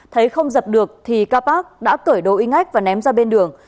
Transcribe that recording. thấy không dập được kapat đã cởi đồ y ngách và ném ra bên đường